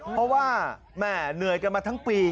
เพราะว่าแม่เหนื่อยกันมาทั้งปี